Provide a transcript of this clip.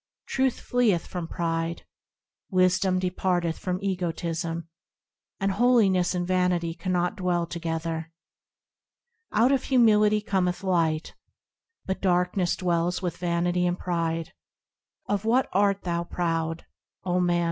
Truth fleeth from pride ; Wisdom departeth from egotism ; And holiness and vanity cannot dwell together. Out of Humility cometh Light, But darkness dwells with vanity and pride. Of what art thou proud ? O man